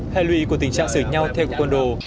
hệ lụy của tình trạng xử nhau theo côn đồ